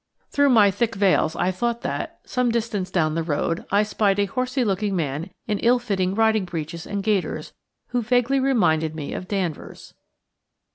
Through my thick veils I thought that, some distance down the road, I spied a horsy looking man in ill fitting riding breeches and gaiters, who vaguely reminded me of Danvers.